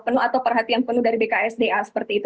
penuh atau perhatian penuh dari bksda seperti itu